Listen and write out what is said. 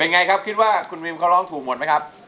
ไงครับคิดว่าคุณวิมเขาร้องถูกหมดไหมครับ